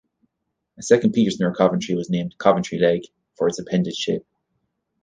A second piece near Coventry was named "Coventry Leg" for its appendage shape.